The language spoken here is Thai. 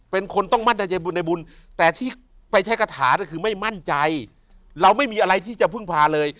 เป็นคนต้องมั่นใจใจบุญในบุญแต่ที่ไปใช้กระถาก็คือไม่มั่นใจเราไม่มีอะไรที่จะพึ่งพาเลย